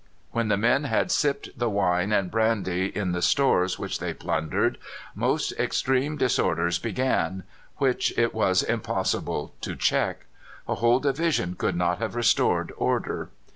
When the men had sipped the wine and brandy in the stores which they plundered, most extreme disorders began, which it was impossible to check. A whole division could not have restored order.